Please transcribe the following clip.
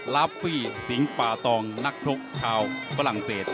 ลาฟฟี่สิงค์ปาตองนักทุกข์ชาวกวาหลังเศส